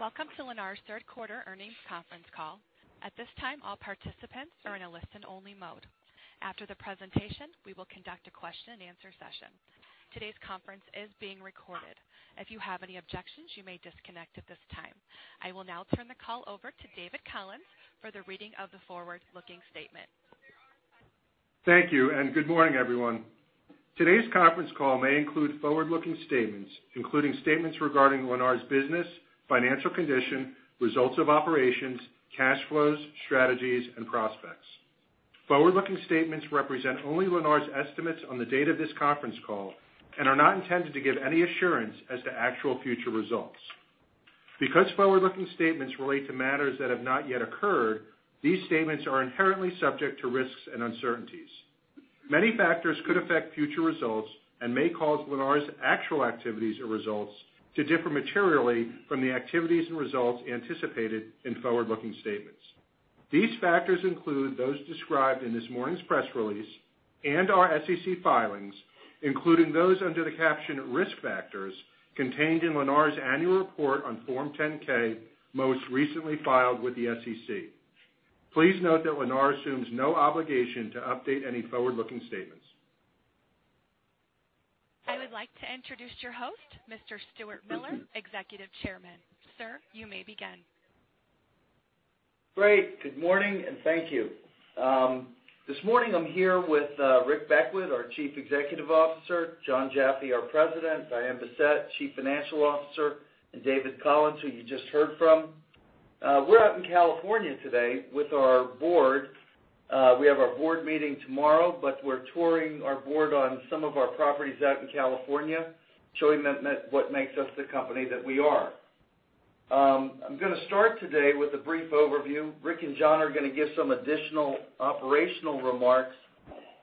Welcome to Lennar's third quarter earnings conference call. At this time, all participants are in a listen-only mode. After the presentation, we will conduct a question and answer session. Today's conference is being recorded. If you have any objections, you may disconnect at this time. I will now turn the call over to David Collins for the reading of the forward-looking statement. Thank you, and good morning, everyone. Today's conference call may include forward-looking statements, including statements regarding Lennar's business, financial condition, results of operations, cash flows, strategies, and prospects. Forward-looking statements represent only Lennar's estimates on the date of this conference call and are not intended to give any assurance as to actual future results. Because forward-looking statements relate to matters that have not yet occurred, these statements are inherently subject to risks and uncertainties. Many factors could affect future results and may cause Lennar's actual activities or results to differ materially from the activities and results anticipated in forward-looking statements. These factors include those described in this morning's press release and our SEC filings, including those under the caption risk factors contained in Lennar's annual report on Form 10-K, most recently filed with the SEC. Please note that Lennar assumes no obligation to update any forward-looking statements. I would like to introduce your host, Mr. Stuart Miller, Executive Chairman. Sir, you may begin. Great. Good morning, and thank you. This morning I'm here with Rick Beckwitt, our Chief Executive Officer, Jon Jaffe, our President, Diane Bessette, Chief Financial Officer, and David Collins, who you just heard from. We're out in California today with our board. We have our board meeting tomorrow, but we're touring our board on some of our properties out in California, showing them what makes us the company that we are. I'm going to start today with a brief overview. Rick and Jon are going to give some additional operational remarks,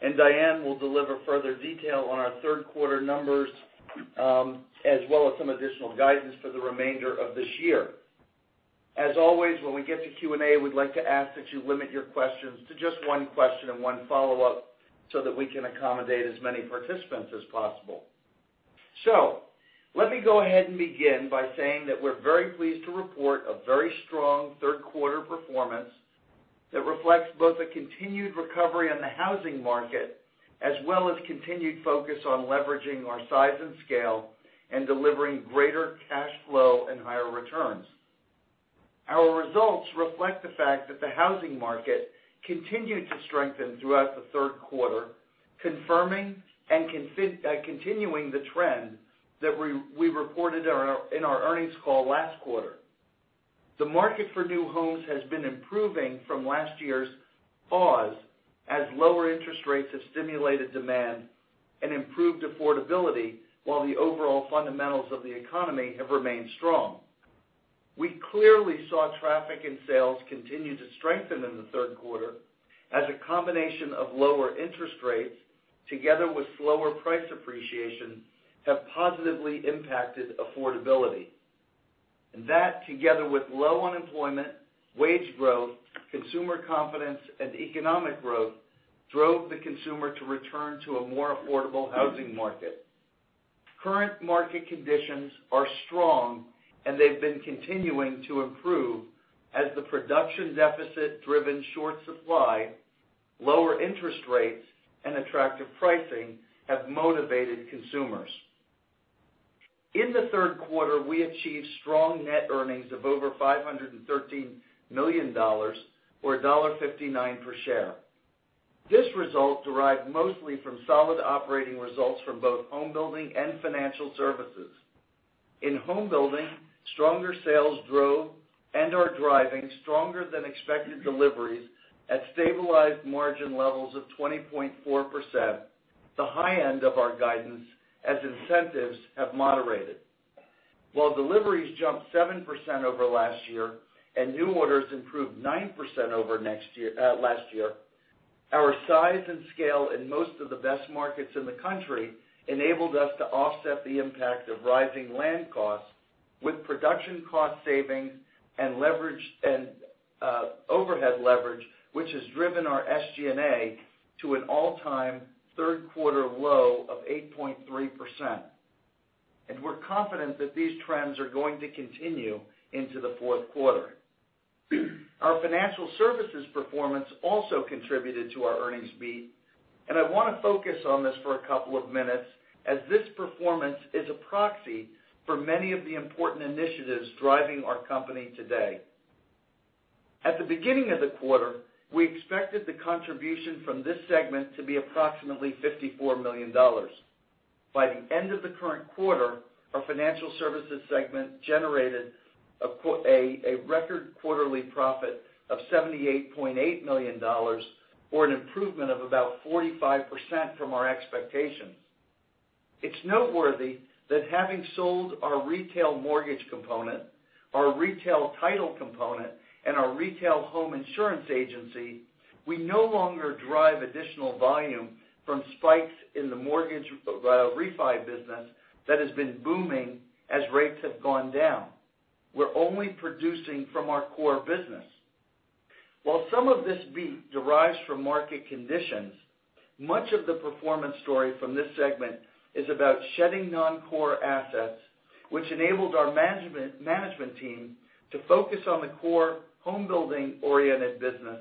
and Diane will deliver further detail on our third-quarter numbers, as well as some additional guidance for the remainder of this year. As always, when we get to Q&A, we'd like to ask that you limit your questions to just one question and one follow-up so that we can accommodate as many participants as possible. Let me go ahead and begin by saying that we're very pleased to report a very strong third-quarter performance that reflects both a continued recovery in the housing market, as well as continued focus on leveraging our size and scale and delivering greater cash flow and higher returns. Our results reflect the fact that the housing market continued to strengthen throughout the third quarter, confirming and continuing the trend that we reported in our earnings call last quarter. The market for new homes has been improving from last year's pause as lower interest rates have stimulated demand and improved affordability, while the overall fundamentals of the economy have remained strong. We clearly saw traffic and sales continue to strengthen in the third quarter as a combination of lower interest rates, together with slower price appreciation, have positively impacted affordability. That, together with low unemployment, wage growth, consumer confidence, and economic growth, drove the consumer to return to a more affordable housing market. Current market conditions are strong, and they've been continuing to improve as the production deficit-driven short supply, lower interest rates, and attractive pricing have motivated consumers. In the third quarter, we achieved strong net earnings of over $513 million, or $1.59 per share. This result derived mostly from solid operating results from both homebuilding and financial services. In homebuilding, stronger sales drove and are driving stronger-than-expected deliveries at stabilized margin levels of 20.4%, the high end of our guidance, as incentives have moderated. While deliveries jumped 7% over last year and new orders improved 9% over last year, our size and scale in most of the best markets in the country enabled us to offset the impact of rising land costs with production cost savings and overhead leverage, which has driven our SG&A to an all-time third-quarter low of 8.3%. We're confident that these trends are going to continue into the fourth quarter. Our financial services performance also contributed to our earnings beat, and I want to focus on this for a couple of minutes, as this performance is a proxy for many of the important initiatives driving our company today. At the beginning of the quarter, we expected the contribution from this segment to be approximately $54 million. By the end of the current quarter, our financial services segment generated a record quarterly profit of $78.8 million, or an improvement of about 45% from our expectations. It's noteworthy that having sold our retail title component and our retail home insurance agency, we no longer derive additional volume from spikes in the mortgage refi business that has been booming as rates have gone down. We're only producing from our core business. While some of this beat derives from market conditions, much of the performance story from this segment is about shedding non-core assets, which enabled our management team to focus on the core homebuilding-oriented business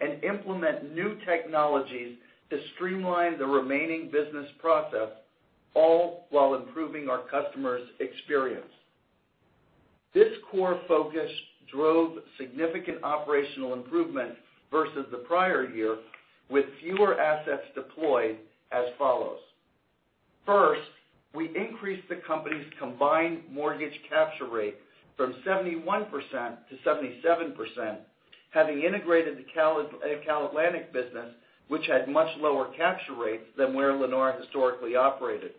and implement new technologies to streamline the remaining business process, all while improving our customer's experience. This core focus drove significant operational improvement versus the prior year with fewer assets deployed as follows. We increased the company's combined mortgage capture rate from 71% to 77%, having integrated the CalAtlantic, which had much lower capture rates than where Lennar historically operated.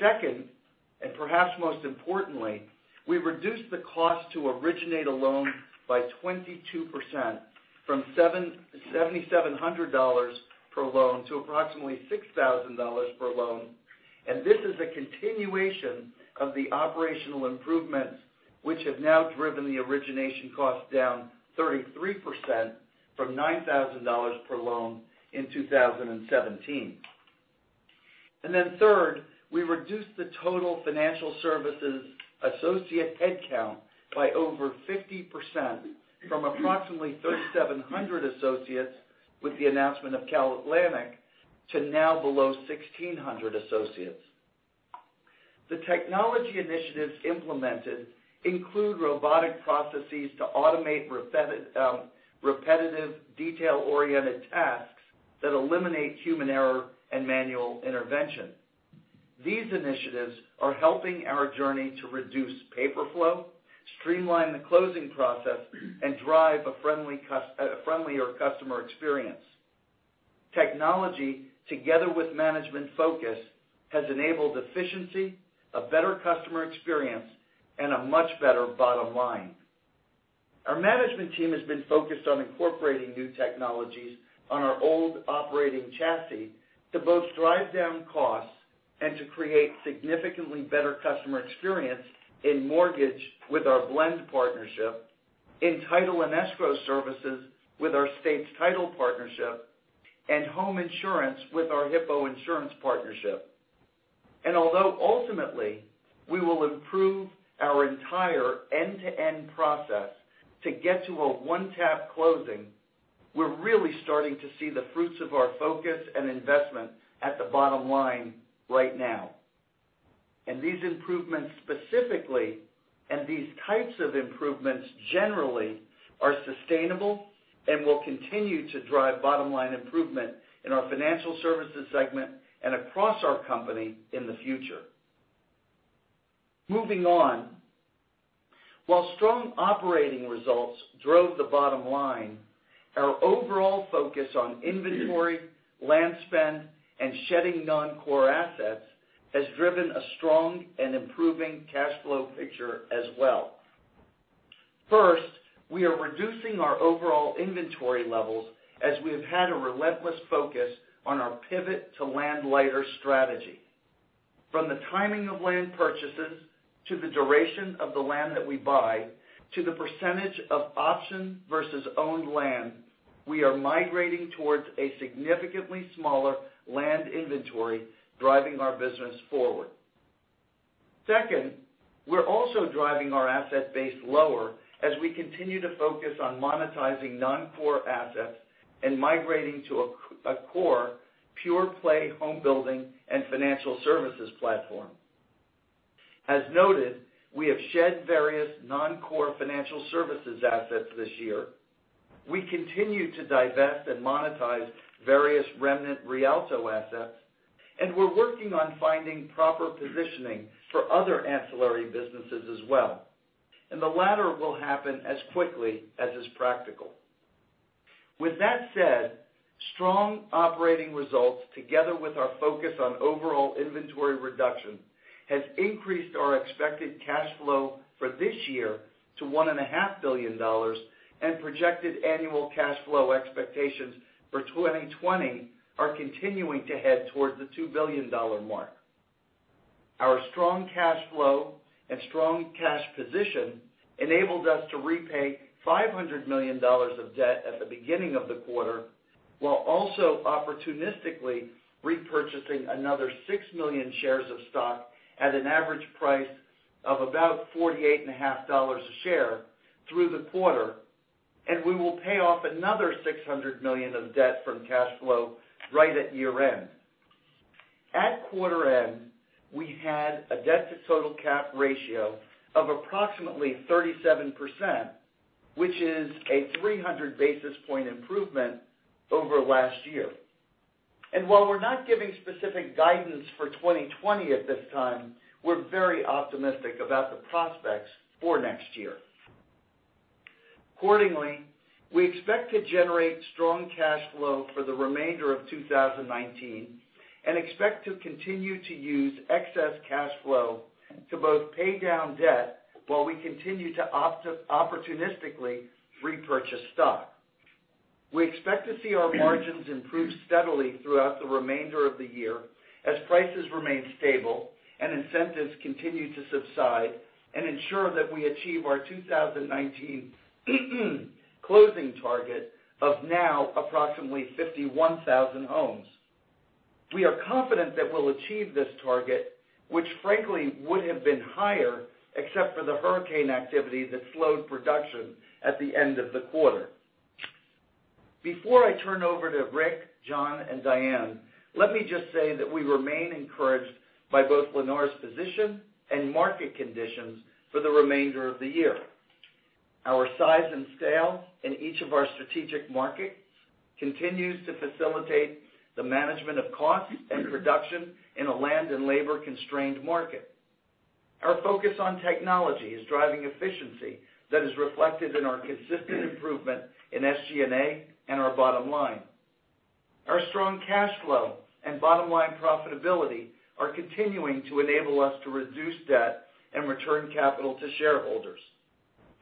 And perhaps most importantly, we reduced the cost to originate a loan by 22%, from $7,700 per loan to approximately $6,000 per loan. This is a continuation of the operational improvements which have now driven the origination cost down 33% from $9,000 per loan in 2017. Third, we reduced the total financial services associate head count by over 50% from approximately 3,700 associates with the announcement of CalAtlantic, to now below 1,600 associates. The technology initiatives implemented include robotic processes to automate repetitive detail-oriented tasks that eliminate human error and manual intervention. These initiatives are helping our journey to reduce paper flow, streamline the closing process, and drive a friendlier customer experience. Technology, together with management focus, has enabled efficiency, a better customer experience, and a much better bottom line. Our management team has been focused on incorporating new technologies on our old operating chassis to both drive down costs and to create significantly better customer experience in mortgage with our Blend partnership, in title and escrow services with our States Title partnership, and home insurance with our Hippo Insurance partnership. Although ultimately we will improve our entire end-to-end process to get to a one-tap closing, we're really starting to see the fruits of our focus and investment at the bottom line right now. These improvements specifically, and these types of improvements generally, are sustainable and will continue to drive bottom-line improvement in our financial services segment and across our company in the future. Moving on. While strong operating results drove the bottom line, our overall focus on inventory, land spend, and shedding non-core assets has driven a strong and improving cash flow picture as well. First, we are reducing our overall inventory levels as we have had a relentless focus on our pivot to land-lighter strategy. From the timing of land purchases, to the duration of the land that we buy, to the percentage of option versus owned land, we are migrating towards a significantly smaller land inventory driving our business forward. Second, we're also driving our asset base lower as we continue to focus on monetizing non-core assets and migrating to a core pure play homebuilding and financial services platform. As noted, we have shed various non-core financial services assets this year. We continue to divest and monetize various remnant Rialto assets, we're working on finding proper positioning for other ancillary businesses as well. The latter will happen as quickly as is practical. With that said, strong operating results together with our focus on overall inventory reduction has increased our expected cash flow for this year to $1.5 billion. Projected annual cash flow expectations for 2020 are continuing to head towards the $2 billion mark. Our strong cash flow and strong cash position enabled us to repay $500 million of debt at the beginning of the quarter, while also opportunistically repurchasing another 6 million shares of stock at an average price of about $48.5 a share through the quarter. We will pay off another $600 million of debt from cash flow right at year-end. At quarter-end, we had a debt-to-total cap ratio of approximately 37%, which is a 300-basis point improvement over last year. While we're not giving specific guidance for 2020 at this time, we're very optimistic about the prospects for next year. Accordingly, we expect to generate strong cash flow for the remainder of 2019, and expect to continue to use excess cash flow to both pay down debt while we continue to opportunistically repurchase stock. We expect to see our margins improve steadily throughout the remainder of the year as prices remain stable and incentives continue to subside and ensure that we achieve our 2019 closing target of now approximately 51,000 homes. We are confident that we'll achieve this target, which frankly would have been higher except for the hurricane activity that slowed production at the end of the quarter. Before I turn over to Rick, John, and Diane, let me just say that we remain encouraged by both Lennar's position and market conditions for the remainder of the year. Our size and scale in each of our strategic markets continues to facilitate the management of cost and production in a land and labor-constrained market. Our focus on technology is driving efficiency that is reflected in our consistent improvement in SG&A and our bottom line. Our strong cash flow and bottom-line profitability are continuing to enable us to reduce debt and return capital to shareholders.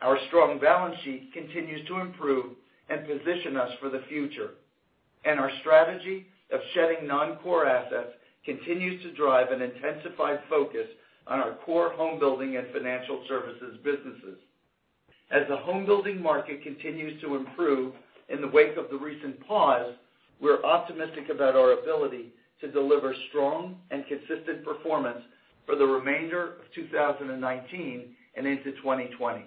Our strong balance sheet continues to improve and position us for the future, and our strategy of shedding non-core assets continues to drive an intensified focus on our core homebuilding and financial services businesses. As the homebuilding market continues to improve in the wake of the recent pause, we're optimistic about our ability to deliver strong and consistent performance for the remainder of 2019 and into 2020.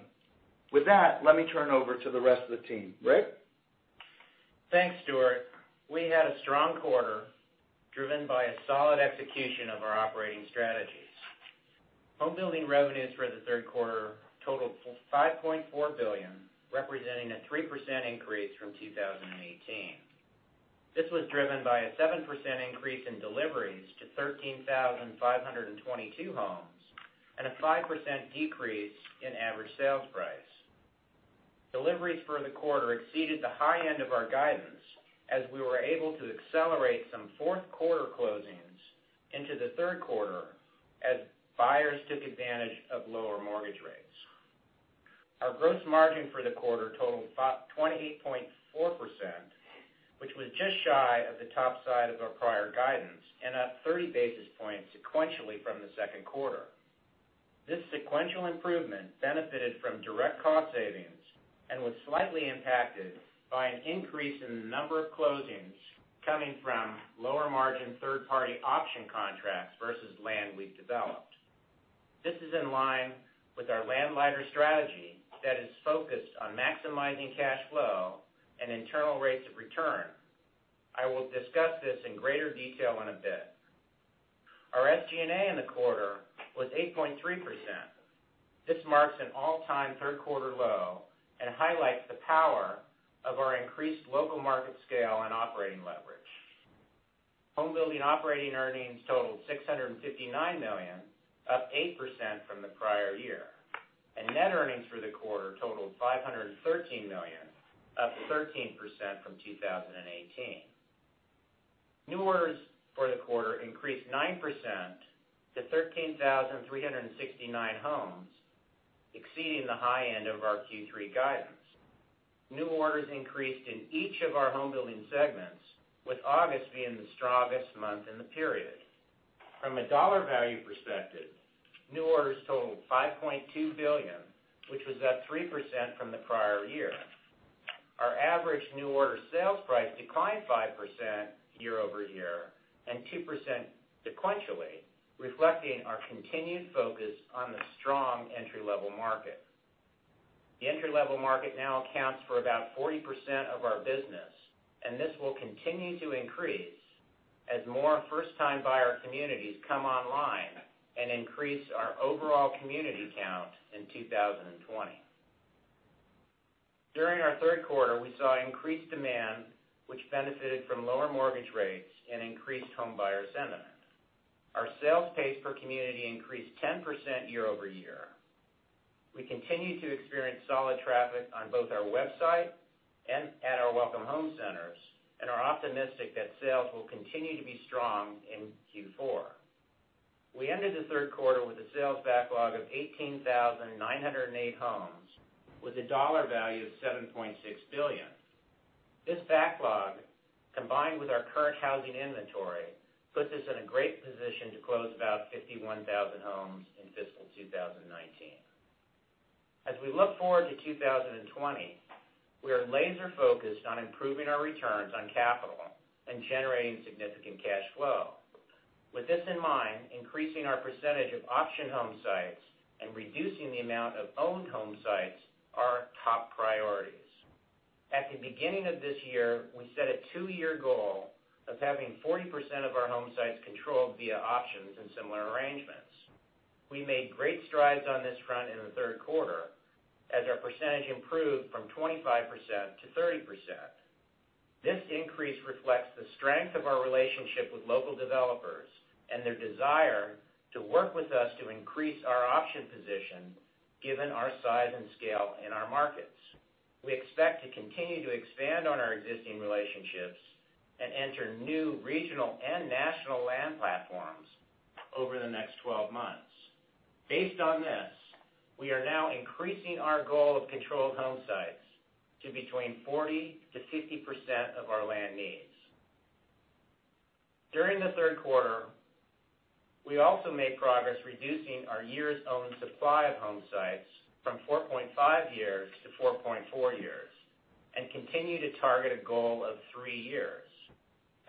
With that, let me turn over to the rest of the team. Rick? Thanks, Stuart. We had a strong quarter, driven by a solid execution of our operating strategies. Homebuilding revenues for the third quarter totaled $5.4 billion, representing a 3% increase from 2018. This was driven by a 7% increase in deliveries to 13,522 homes, and a 5% decrease in average sales price. Deliveries for the quarter exceeded the high end of our guidance, as we were able to accelerate some fourth-quarter closings into the third quarter as buyers took advantage of lower mortgage rates. Our gross margin for the quarter totaled 28.4%, which was just shy of the top side of our prior guidance and up 30 basis points sequentially from the second quarter. This sequential improvement benefited from direct cost savings and was slightly impacted by an increase in the number of closings coming from lower-margin third-party option contracts versus land we've developed. This is in line with our land light strategy that is focused on maximizing cash flow and internal rates of return. I will discuss this in greater detail in a bit. Our SG&A in the quarter was 8.3%. This marks an all-time third-quarter low and highlights the power of our increased local market scale and operating leverage. Homebuilding operating earnings totaled $659 million, up 8% from the prior year, and net earnings for the quarter totaled $513 million, up 13% from 2018. New orders for the quarter increased 9% to 13,369 homes, exceeding the high end of our Q3 guidance. New orders increased in each of our homebuilding segments, with August being the strongest month in the period. From a dollar value perspective, new orders totaled $5.2 billion, which was up 3% from the prior year. Our average new order sales price declined 5% year-over-year and 2% sequentially, reflecting our continued focus on the strong entry-level market. The entry-level market now accounts for about 40% of our business, and this will continue to increase as more first-time buyer communities come online and increase our overall community count in 2020. During our third quarter, we saw increased demand, which benefited from lower mortgage rates and increased homebuyer sentiment. Our sales pace per community increased 10% year-over-year. We continue to experience solid traffic on both our website and at our Welcome Home Centers, and are optimistic that sales will continue to be strong in Q4. We ended the third quarter with a sales backlog of 18,908 homes, with a dollar value of $7.6 billion. This backlog, combined with our current housing inventory, puts us in a great position to close about 51,000 homes in fiscal 2019. As we look forward to 2020, we are laser-focused on improving our returns on capital and generating significant cash flow. With this in mind, increasing our percentage of option home sites and reducing the amount of owned home sites are our top priorities. At the beginning of this year, we set a two-year goal of having 40% of our home sites controlled via options and similar arrangements. We made great strides on this front in the third quarter, as our percentage improved from 25% to 30%. This increase reflects the strength of our relationship with local developers and their desire to work with us to increase our option position, given our size and scale in our markets. We expect to continue to expand on our existing relationships and enter new regional and national land platforms over the next 12 months. Based on this, we are now increasing our goal of controlled home sites to between 40%-50% of our land needs. During the third quarter, we also made progress reducing our years owned supply of home sites from 4.5 years to 4.4 years, and continue to target a goal of three years.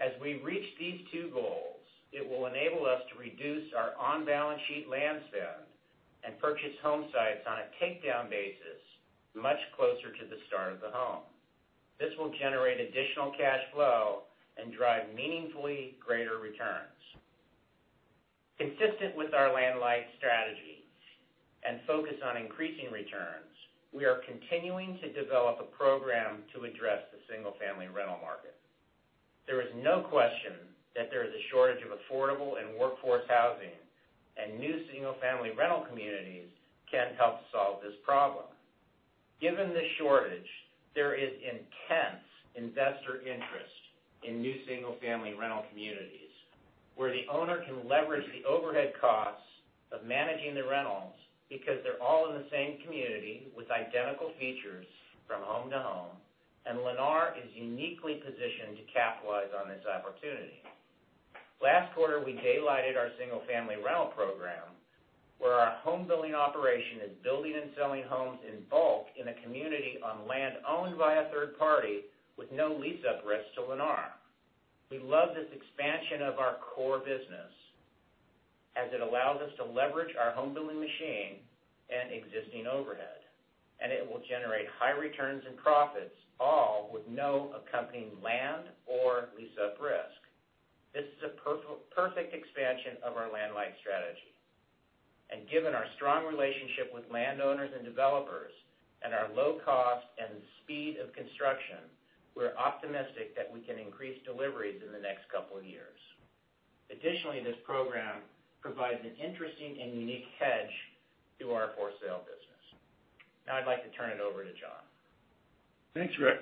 As we reach these two goals, it will enable us to reduce our on-balance sheet land spend and purchase home sites on a takedown basis much closer to the start of the home. This will generate additional cash flow and drive meaningfully greater returns. Consistent with our land light strategy and focus on increasing returns, we are continuing to develop a program to address the single-family rental market. There is no question that there is a shortage of affordable and workforce housing. New single-family rental communities can help solve this problem. Given the shortage, there is intense investor interest in new single-family rental communities, where the owner can leverage the overhead costs of managing the rentals because they're all in the same community with identical features from home to home, and Lennar is uniquely positioned to capitalize on this opportunity. Last quarter, we daylighted our single-family rental program, where our homebuilding operation is building and selling homes in bulk in a community on land owned by a third party with no lease-up risk to Lennar. We love this expansion of our core business, as it allows us to leverage our homebuilding machine and existing overhead, and it will generate high returns and profits, all with no accompanying land or lease-up risk. This is a perfect expansion of our land light strategy. Given our strong relationship with landowners and developers and our low cost and speed of construction, we're optimistic that we can increase deliveries in the next couple of years. Additionally, this program provides an interesting and unique hedge to our for-sale business. Now I'd like to turn it over to John. Thanks, Rick.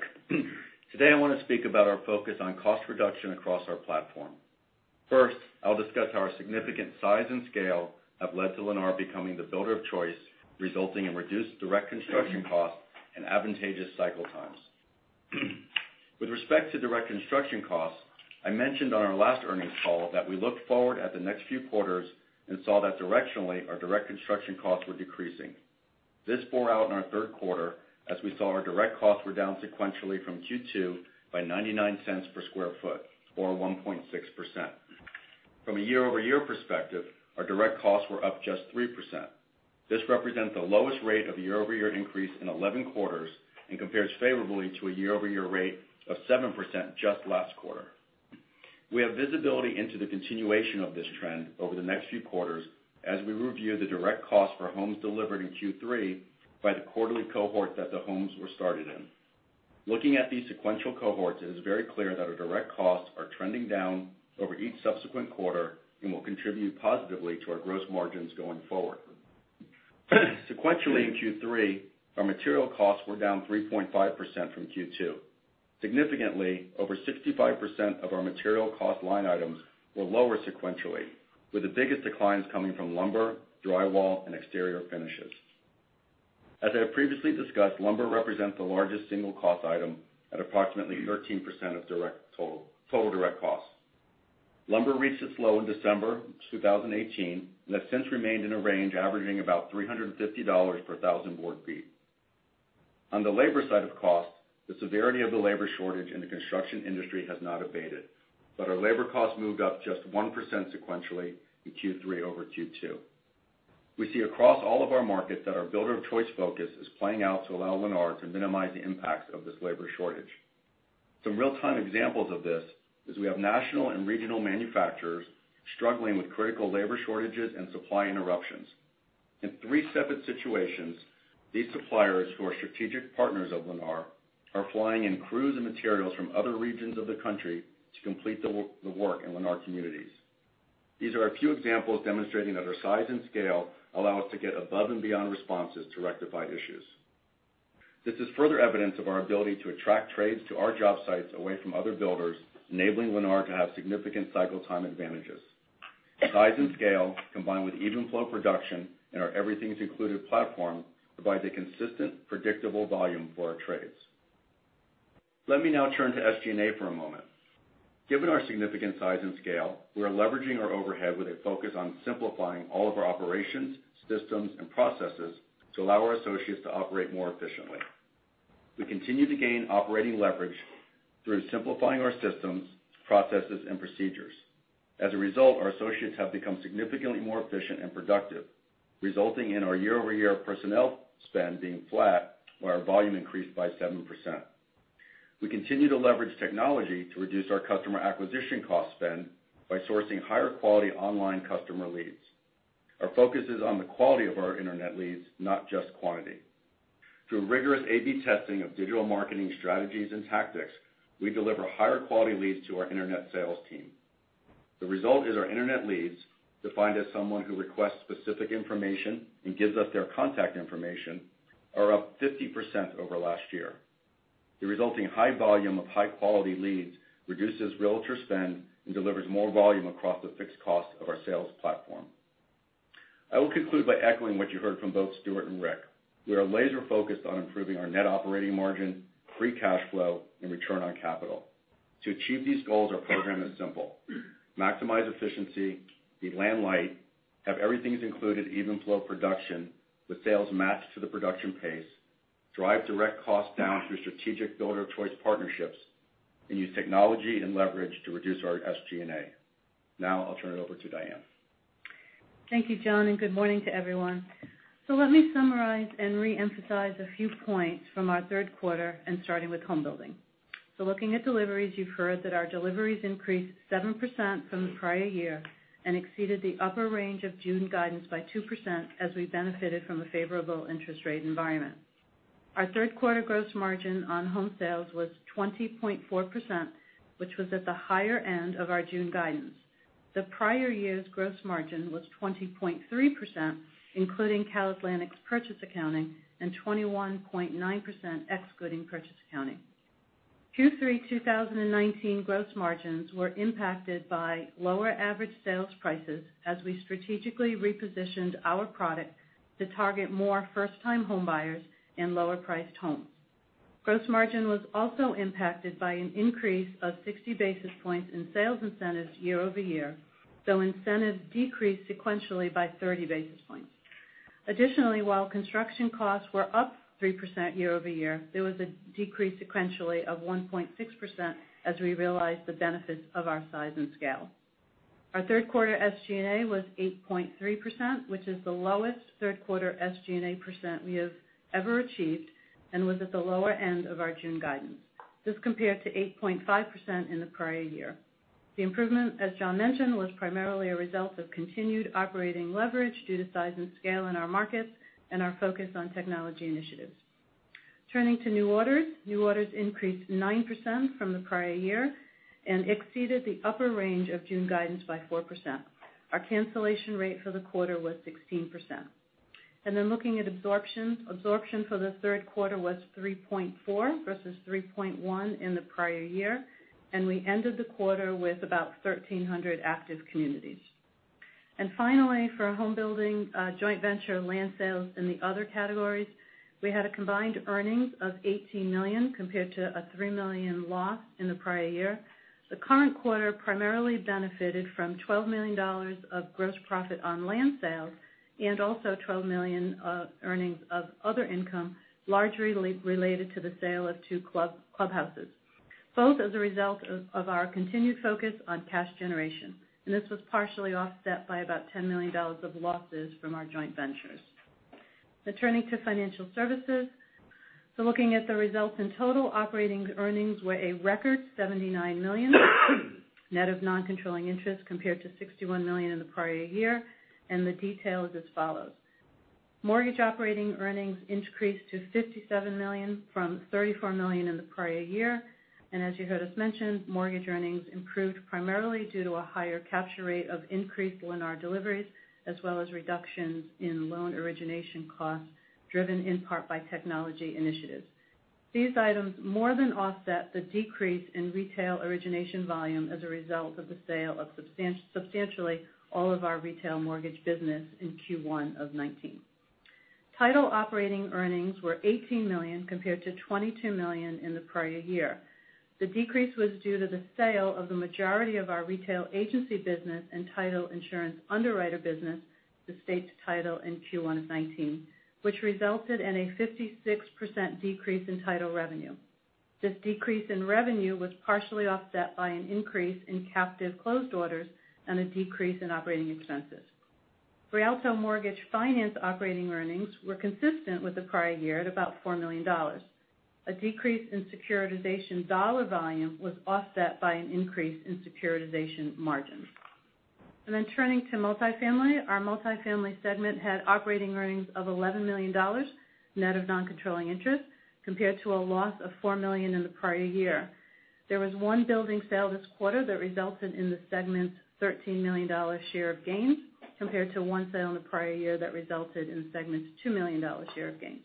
Today I want to speak about our focus on cost reduction across our platform. First, I'll discuss how our significant size and scale have led to Lennar becoming the builder of choice, resulting in reduced direct construction costs and advantageous cycle times. With respect to direct construction costs, I mentioned on our last earnings call that we looked forward at the next few quarters and saw that directionally, our direct construction costs were decreasing. This bore out in our third quarter, as we saw our direct costs were down sequentially from Q2 by $0.99 per sq ft, or 1.6%. From a year-over-year perspective, our direct costs were up just 3%. This represents the lowest rate of year-over-year increase in 11 quarters and compares favorably to a year-over-year rate of 7% just last quarter. We have visibility into the continuation of this trend over the next few quarters as we review the direct costs for homes delivered in Q3 by the quarterly cohort that the homes were started in. Looking at these sequential cohorts, it is very clear that our direct costs are trending down over each subsequent quarter and will contribute positively to our gross margins going forward. Sequentially in Q3, our material costs were down 3.5% from Q2. Significantly, over 65% of our material cost line items were lower sequentially, with the biggest declines coming from lumber, drywall, and exterior finishes. As I have previously discussed, lumber represents the largest single cost item at approximately 13% of total direct costs. Lumber reached its low in December 2018 and has since remained in a range averaging about $350 per thousand board feet. On the labor side of costs, the severity of the labor shortage in the construction industry has not abated, but our labor costs moved up just 1% sequentially in Q3 over Q2. We see across all of our markets that our builder-of-choice focus is playing out to allow Lennar to minimize the impacts of this labor shortage. Some real-time examples of this is we have national and regional manufacturers struggling with critical labor shortages and supply interruptions. In three separate situations, these suppliers, who are strategic partners of Lennar, are flying in crews and materials from other regions of the country to complete the work in Lennar communities. These are a few examples demonstrating that our size and scale allow us to get above-and-beyond responses to rectify issues. This is further evidence of our ability to attract trades to our job sites away from other builders, enabling Lennar to have significant cycle time advantages. Size and scale, combined with even flow production and our Everything Included platform, provide a consistent, predictable volume for our trades. Let me now turn to SG&A for a moment. Given our significant size and scale, we are leveraging our overhead with a focus on simplifying all of our operations, systems, and processes to allow our associates to operate more efficiently. We continue to gain operating leverage through simplifying our systems, processes, and procedures. As a result, our associates have become significantly more efficient and productive, resulting in our year-over-year personnel spend being flat while our volume increased by 7%. We continue to leverage technology to reduce our customer acquisition cost spend by sourcing higher-quality online customer leads. Our focus is on the quality of our internet leads, not just quantity. Through rigorous A/B testing of digital marketing strategies and tactics, we deliver higher quality leads to our internet sales team. The result is our internet leads, defined as someone who requests specific information and gives us their contact information, are up 50% over last year. The resulting high volume of high-quality leads reduces realtor spend and delivers more volume across the fixed cost of our sales platform. I will conclude by echoing what you heard from both Stuart and Rick. We are laser-focused on improving our net operating margin, free cash flow, and return on capital. To achieve these goals, our program is simple: maximize efficiency, be land light, have Everything is Included even flow production with sales matched to the production pace, drive direct costs down through strategic builder-of-choice partnerships, and use technology and leverage to reduce our SG&A. Now, I'll turn it over to Diane. Thank you, John, and good morning to everyone. Let me summarize and reemphasize a few points from our third quarter and starting with homebuilding. Looking at deliveries, you've heard that our deliveries increased 7% from the prior year and exceeded the upper range of June guidance by 2% as we benefited from a favorable interest rate environment. Our third quarter gross margin on home sales was 20.4%, which was at the higher end of our June guidance. The prior year's gross margin was 20.3%, including CalAtlantic's purchase accounting, and 21.9% excluding purchase accounting. Q3 2019 gross margins were impacted by lower average sales prices as we strategically repositioned our product to target more first-time homebuyers and lower-priced homes. Gross margin was also impacted by an increase of 60 basis points in sales incentives year-over-year, though incentives decreased sequentially by 30 basis points. Additionally, while construction costs were up 3% year over year, there was a decrease sequentially of 1.6% as we realized the benefits of our size and scale. Our third-quarter SG&A was 8.3%, which is the lowest third-quarter SG&A percent we have ever achieved and was at the lower end of our June guidance. This compared to 8.5% in the prior year. The improvement, as John mentioned, was primarily a result of continued operating leverage due to size and scale in our markets and our focus on technology initiatives. Turning to new orders. New orders increased 9% from the prior year and exceeded the upper range of June guidance by 4%. Our cancellation rate for the quarter was 16%. Looking at absorption. Absorption for the third quarter was 3.4% versus 3.1% in the prior year, and we ended the quarter with about 1,300 active communities. Finally, for homebuilding joint venture land sales in the other categories, we had a combined earnings of $18 million compared to a $3 million loss in the prior year. The current quarter primarily benefited from $12 million of gross profit on land sales and also $12 million of earnings of other income, largely related to the sale of two clubhouses, both as a result of our continued focus on cash generation. This was partially offset by about $10 million of losses from our joint ventures. Turning to financial services. Looking at the results in total, operating earnings were a record $79 million net of non-controlling interest, compared to $61 million in the prior year, and the detail is as follows. Mortgage operating earnings increased to $57 million from $34 million in the prior year. As you heard us mention, mortgage earnings improved primarily due to a higher capture rate of increased Lennar deliveries, as well as reductions in loan origination costs, driven in part by technology initiatives. These items more than offset the decrease in retail origination volume as a result of the sale of substantially all of our retail mortgage business in Q1 of 2019. Title operating earnings were $18 million, compared to $22 million in the prior year. The decrease was due to the sale of the majority of our retail agency business and title insurance underwriter business to States Title in Q1 of 2019, which resulted in a 56% decrease in title revenue. This decrease in revenue was partially offset by an increase in captive closed orders and a decrease in operating expenses. Rialto Mortgage Finance operating earnings were consistent with the prior year at about $4 million. A decrease in securitization dollar volume was offset by an increase in securitization margins. Turning to multifamily. Our multifamily segment had operating earnings of $11 million net of non-controlling interest, compared to a loss of $4 million in the prior year. There was one building sale this quarter that resulted in the segment's $13 million share of gains, compared to one sale in the prior year that resulted in the segment's $2 million share of gains.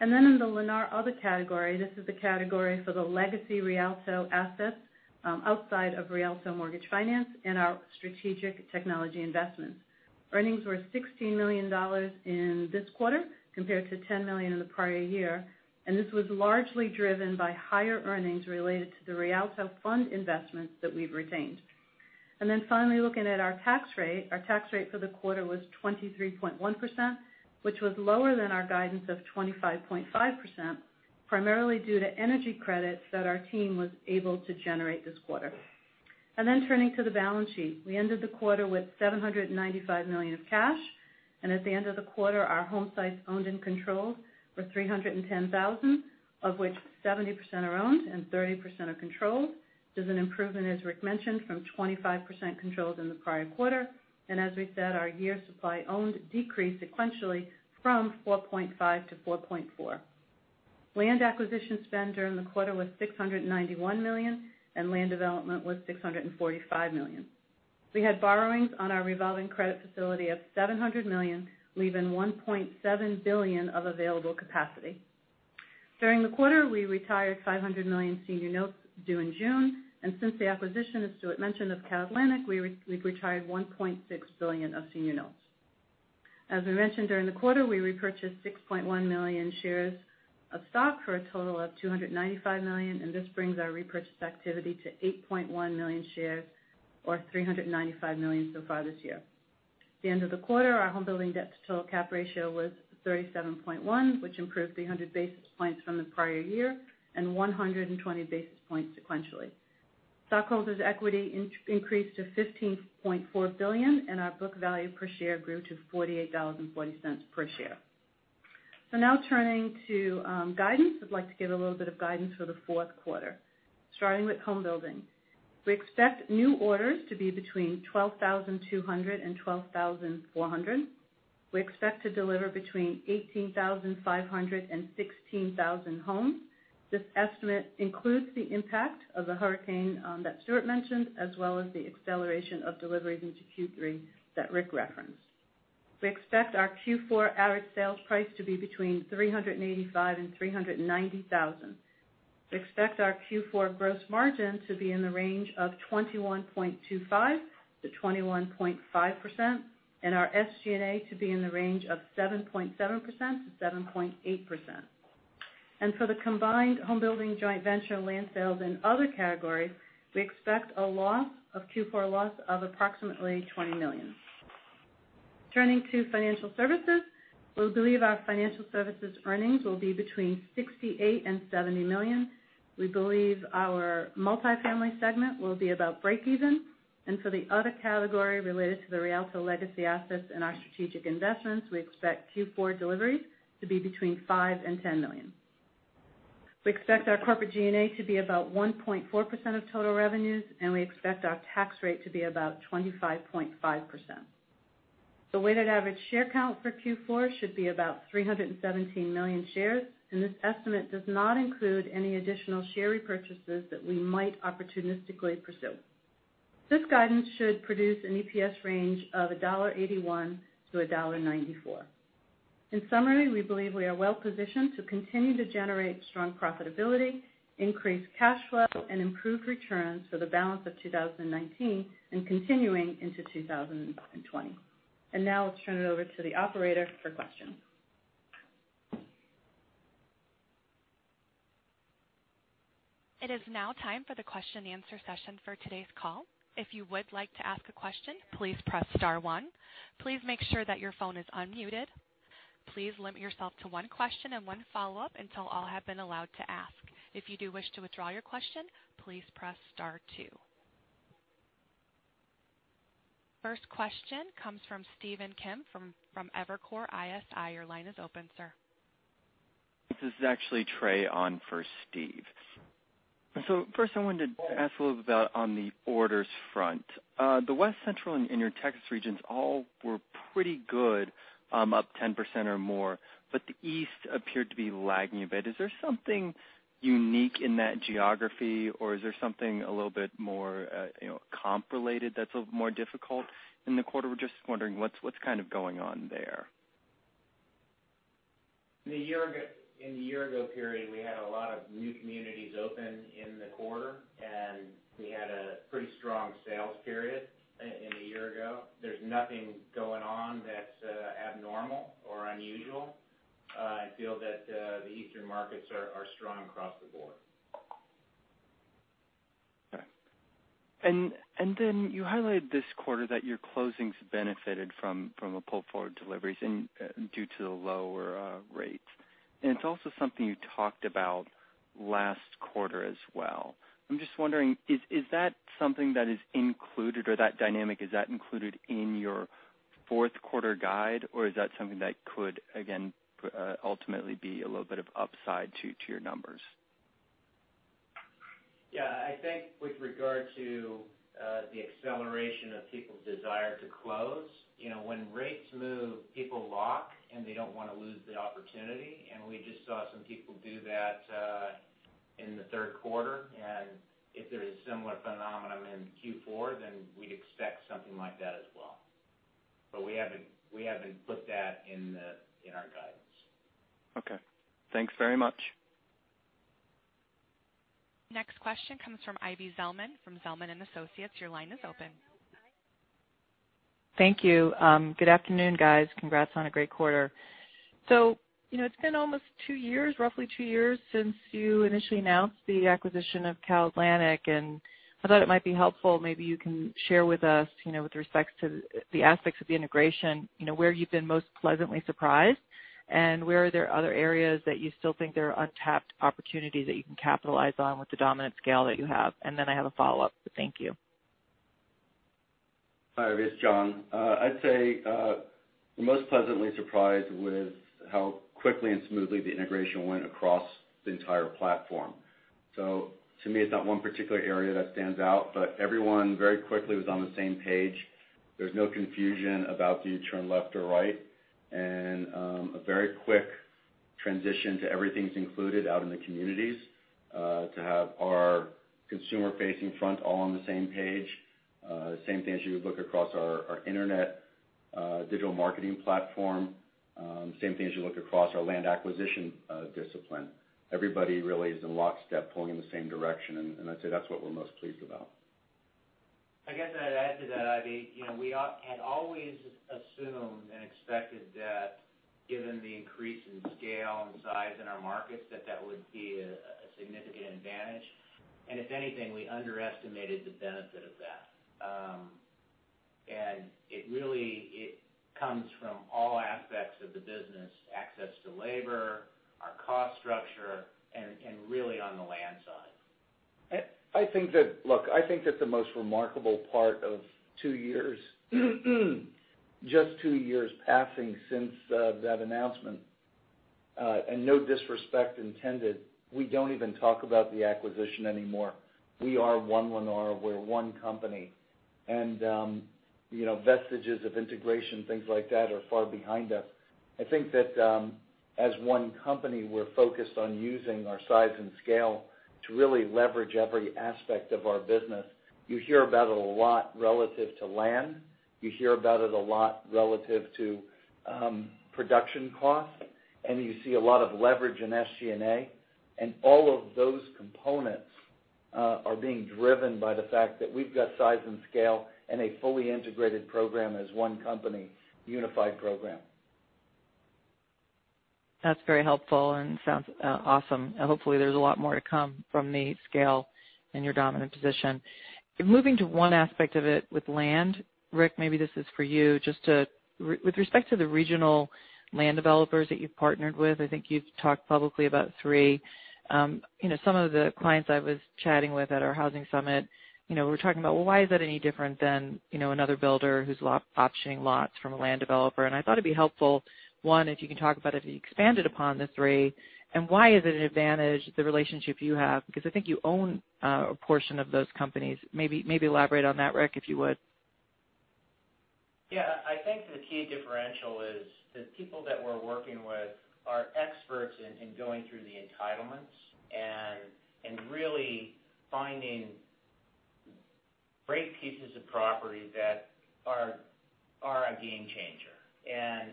In the Lennar Other Category, this is the category for the legacy Rialto assets outside of Rialto Mortgage Finance and our strategic technology investments. Earnings were $16 million in this quarter, compared to $10 million in the prior year. This was largely driven by higher earnings related to the Rialto fund investments that we've retained. Finally, looking at our tax rate. Our tax rate for the quarter was 23.1%, which was lower than our guidance of 25.5%, primarily due to energy credits that our team was able to generate this quarter. Turning to the balance sheet. We ended the quarter with $795 million of cash. At the end of the quarter, our home sites owned and controlled were 310,000, of which 70% are owned and 30% are controlled. This is an improvement, as Rick mentioned, from 25% controlled in the prior quarter. As we said, our year supply owned decreased sequentially from 4.5 to 4.4. Land acquisition spend during the quarter was $691 million, and land development was $645 million. We had borrowings on our revolving credit facility of $700 million, leaving $1.7 billion of available capacity. During the quarter, we retired $500 million senior notes due in June. Since the acquisition, as Stuart mentioned, of CalAtlantic, we've retired $1.6 billion of senior notes. As we mentioned during the quarter, we repurchased 6.1 million shares of stock for a total of $295 million. This brings our repurchase activity to 8.1 million shares or $395 million so far this year. At the end of the quarter, our homebuilding debt-to-total capital ratio was 37.1%, which improved 300 basis points from the prior year and 120 basis points sequentially. Stockholders' equity increased to $15.4 billion. Our book value per share grew to $48.40 per share. Now turning to guidance. I'd like to give a little bit of guidance for the fourth quarter. Starting with homebuilding. We expect new orders to be between 12,200 and 12,400. We expect to deliver between 18,500 and 16,000 homes. This estimate includes the impact of the hurricane that Stuart mentioned, as well as the acceleration of deliveries into Q3 that Rick referenced. We expect our Q4 average sales price to be between $385,000 and $390,000. We expect our Q4 gross margin to be in the range of 21.25%-21.5%, and our SG&A to be in the range of 7.7%-7.8%. For the combined homebuilding joint venture land sales and other categories, we expect a Q4 loss of approximately $20 million. Turning to financial services, we believe our financial services earnings will be between $68 million and $70 million. We believe our multifamily segment will be about breakeven, and for the other category related to the Rialto legacy assets and our strategic investments, we expect Q4 deliveries to be between $5 million and $10 million. We expect our corporate G&A to be about 1.4% of total revenues. We expect our tax rate to be about 25.5%. The weighted average share count for Q4 should be about 317 million shares. This estimate does not include any additional share repurchases that we might opportunistically pursue. This guidance should produce an EPS range of $1.81-$1.94. In summary, we believe we are well positioned to continue to generate strong profitability, increase cash flow, and improve returns for the balance of 2019 and continuing into 2020. Now I'll turn it over to the operator for questions. It is now time for the question and answer session for today's call. If you would like to ask a question, please press star one. Please make sure that your phone is unmuted. Please limit yourself to one question and one follow-up until all have been allowed to ask. If you do wish to withdraw your question, please press star two. First question comes from Stephen Kim from Evercore ISI. Your line is open, sir. This is actually Trey on for Stephen. First I wanted to ask a little bit about on the orders front. The West, Central, and Inner Texas regions all were pretty good, up 10% or more, the East appeared to be lagging a bit. Is there something unique in that geography, is there something a little bit more comp-related that's a little more difficult in the quarter? We're just wondering what's kind of going on there. In the year ago period, we had a lot of new communities open in the quarter, and we had a pretty strong sales period in the year ago. There's nothing going on that's abnormal or unusual. I feel that the eastern markets are strong across the board. Okay. You highlighted this quarter that your closings benefited from a pull-forward deliveries due to the lower rates. It's also something you talked about last quarter as well. I'm just wondering, is that something that is included, or that dynamic, is that included in your fourth quarter guide? Or is that something that could, again, ultimately be a little bit of upside to your numbers? Yeah. I think with regard to the acceleration of people's desire to close, when rates move, people lock. They don't want to lose the opportunity. We just saw some people do that in the third quarter. If there is similar phenomenon in Q4, we'd expect something like that as well. We haven't put that in our guidance. Okay. Thanks very much. Next question comes from Ivy Zelman from Zelman & Associates. Your line is open. Thank you. Good afternoon, guys. Congrats on a great quarter. It's been almost two years, roughly two years, since you initially announced the acquisition of CalAtlantic, and I thought it might be helpful, maybe you can share with us with respect to the aspects of the integration, where you've been most pleasantly surprised, and where are there other areas that you still think there are untapped opportunities that you can capitalize on with the dominant scale that you have? I have a follow-up. Thank you. Hi, Ivy. It's Jon. I'd say the most pleasantly surprised was how quickly and smoothly the integration went across the entire platform. To me, it's not one particular area that stands out, but everyone very quickly was on the same page. There's no confusion about do you turn left or right, and a very quick transition to Everything's Included out in the communities, to have our consumer-facing front all on the same page. Same thing as you would look across our internet digital marketing platform. Same thing as you look across our land acquisition discipline. Everybody really is in lockstep pulling in the same direction, and I'd say that's what we're most pleased about. I guess I'd add to that, Ivy, we had always assumed and expected that given the increase in scale and size in our markets, that that would be a significant advantage. If anything, we underestimated the benefit of that. It really comes from all aspects of the business, access to labor, our cost structure, and really on the land side. Look, I think that the most remarkable part of just two years passing since that announcement, and no disrespect intended, we don't even talk about the acquisition anymore. We are one Lennar. We're one company. Vestiges of integration, things like that, are far behind us. I think that as one company, we're focused on using our size and scale to really leverage every aspect of our business. You hear about it a lot relative to land. You hear about it a lot relative to production costs. You see a lot of leverage in SG&A. All of those components are being driven by the fact that we've got size and scale and a fully integrated program as one company, unified program. That's very helpful and sounds awesome. Hopefully, there's a lot more to come from the scale in your dominant position. Moving to one aspect of it with land, Rick, maybe this is for you, just with respect to the regional land developers that you've partnered with, I think you've talked publicly about three. Some of the clients I was chatting with at our housing summit, we were talking about, well, why is that any different than another builder who's optioning lots from a land developer? I thought it'd be helpful, one, if you can talk about if you expanded upon the three and why is it an advantage, the relationship you have? I think you own a portion of those companies. Maybe elaborate on that, Rick, if you would. Yeah. I think the key differential is the people that we're working with are experts in going through the entitlements and really finding great pieces of property that are a game changer.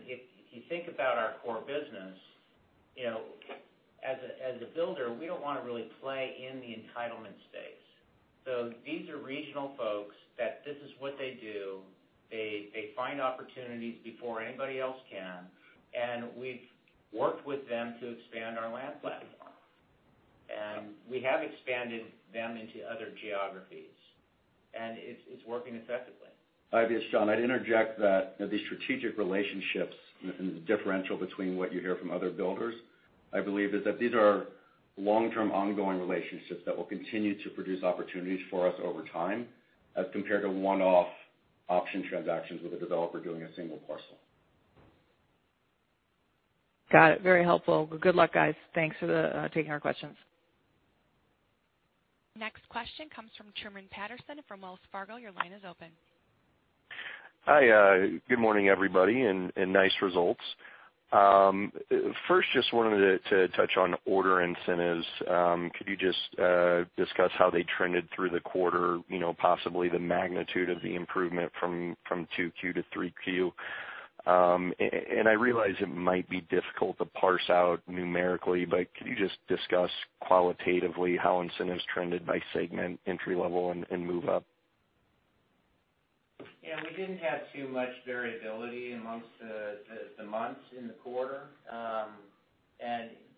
If you think about our core business, as a builder, we don't want to really play in the entitlement space. These are regional folks that this is what they do. They find opportunities before anybody else can, and we've worked with them to expand our land platform. We have expanded them into other geographies, and it's working effectively. Ivy, it's John. I'd interject that the strategic relationships and the differential between what you hear from other builders, I believe, is that these are long-term ongoing relationships that will continue to produce opportunities for us over time as compared to one-off option transactions with a developer doing a single parcel. Got it. Very helpful. Good luck, guys. Thanks for taking our questions. Next question comes from Truman Patterson from Wells Fargo. Your line is open. Hi. Good morning, everybody, and nice results. First, just wanted to touch on order incentives. Could you just discuss how they trended through the quarter, possibly the magnitude of the improvement from 2Q to 3Q? I realize it might be difficult to parse out numerically, but could you just discuss qualitatively how incentives trended by segment, entry level, and move up? We didn't have too much variability amongst the months in the quarter.